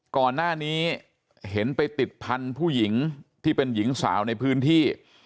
ก่อนหน้านี้เห็นไปติดพันธุ์ผู้หญิงที่เป็นหญิงสาวในพื้นที่